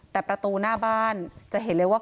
แต่ประตูหน้าบ้านจะเห็นเลยว่า